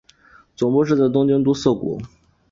总部设在东京都涩谷。